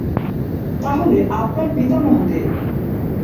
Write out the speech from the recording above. তাহলে আপনার পিতামহ কে?